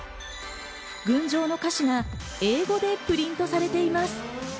『群青』の歌詞が英語でプリントされています。